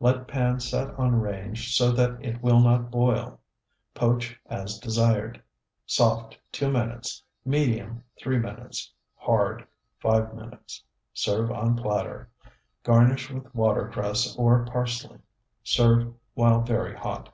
Let pan set on range so that it will not boil; poach as desired, soft, two minutes; medium, three minutes; hard, five minutes. Serve on platter, garnish with watercress or parsley. Serve while very hot.